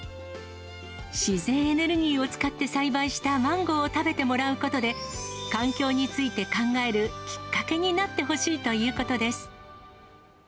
自然エネルギーを使って栽培したマンゴーを食べてもらうことで、環境について考えるきっかけになってほしいということです。